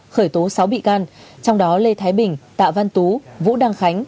khởi tố sáu bị can trong đó lê thái bình tạ văn tú vũ đăng khánh